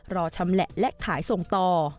ชำแหละและขายส่งต่อ